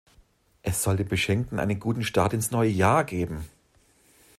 Es soll dem Beschenkten einen guten Start ins neue Jahr geben.